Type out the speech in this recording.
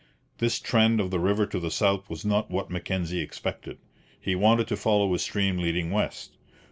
This trend of the river to the south was not what Mackenzie expected. He wanted to follow a stream leading west.